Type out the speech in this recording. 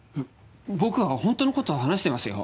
僕は本当の事を話してますよ。